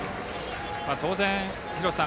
当然、廣瀬さん